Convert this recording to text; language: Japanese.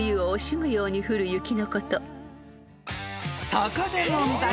［そこで問題］